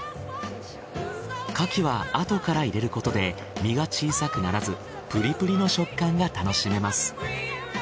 牡蠣はあとから入れることで身が小さくならずプリプリの食感が楽しめます。